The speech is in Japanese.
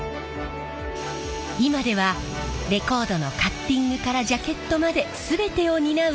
今ではレコードのカッティングからジャケットまで全てを担う